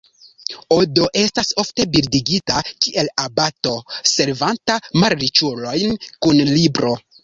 Odo estas ofte bildigita kiel abato servanta malriĉulojn kun libro.